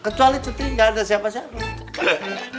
kecuali cetri gak ada siapa siapa